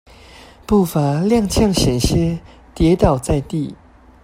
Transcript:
步伐踉蹌險些跌倒在地